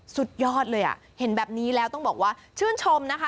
สุดยอดเลยอ่ะเห็นแบบนี้แล้วต้องบอกว่าชื่นชมนะคะ